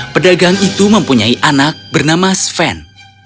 pedagang itu mempunyai anak bernama sven